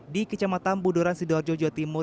di kecamatan budoran sidoarjo jawa timur